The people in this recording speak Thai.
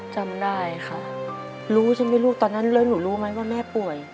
จำได้ค่ะรู้ใช่ไหมลูกตอนนั้นแล้วหนูรู้ไหมว่าแม่ป่วย